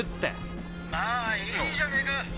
「まぁいいじゃねぇか」。